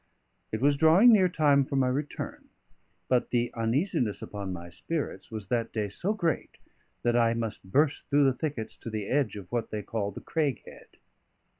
It was drawing near time for my return; but the uneasiness upon my spirits was that day so great that I must burst through the thickets to the edge of what they call the Craig Head.